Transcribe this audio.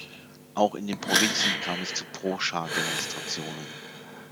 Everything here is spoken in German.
Auch in den Provinzen kam es zu Pro-Schah-Demonstrationen.